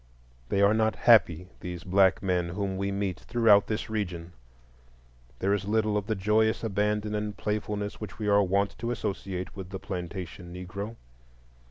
They are not happy, these black men whom we meet throughout this region. There is little of the joyous abandon and playfulness which we are wont to associate with the plantation Negro.